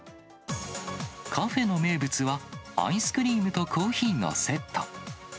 カフェの名物は、アイスクリームとコーヒーのセット。